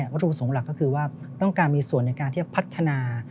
วัตถุประสงค์หลักก็คือว่าต้องการมีส่วนในการที่จะพัฒนา